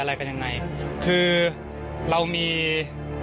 มีความรู้สึกว่าเสียใจ